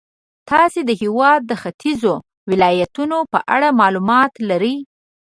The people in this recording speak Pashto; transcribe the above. تاسې د هېواد د ختیځو ولایتونو په اړه معلومات لرئ.